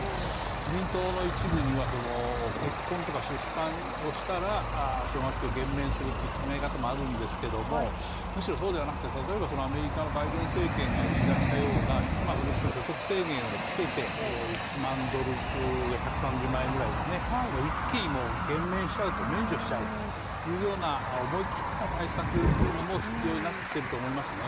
自民党の一部には、結婚とか出産をしたら奨学金を減免するという考え方もあるんですけども、そうではなくて例えばアメリカのバイデン政権が打ち出したような、もちろん所得制限をつけて、１万ドル、１３０万円ぐらい一気に減免、免除しちゃうというような思い切った対策というのも必要になってきていると思いますね。